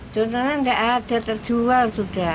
contohnya nggak ada terjual sudah